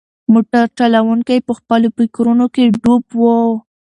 موټر چلونکی په خپلو فکرونو کې ډوب و.